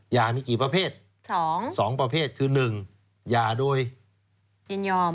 ยามีกี่ประเภท๒ประเภทคือ๑ยาโดยยินยอม